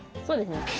そうですね。